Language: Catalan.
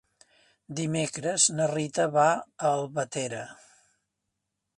Dimecres na Rita va a Albatera.